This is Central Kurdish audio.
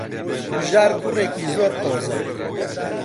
بژار کوڕێکی زۆر قۆزە.